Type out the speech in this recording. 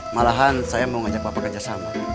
malahan saya mau ngajak bapak kerjasama